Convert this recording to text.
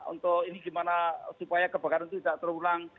untuk ini gimana supaya kebakaran itu tidak terulang